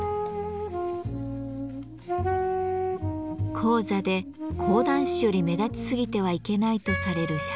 高座で講談師より目立ちすぎてはいけないとされる釈台。